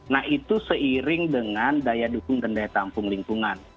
nah itu seiring dengan daya dukung dan daya tampung lingkungan